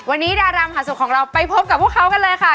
วันนี้ดารามหาสุขของเราไปพบกับพวกเขากันเลยค่ะ